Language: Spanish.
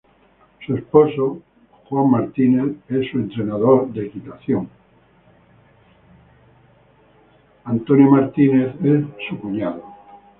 Su esposo, John Madden, es su entrenador de equitación, Frank Madden, es su cuñado.